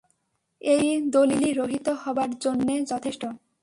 এই একটি দলীলই রহিত হবার জন্যে যথেষ্ট।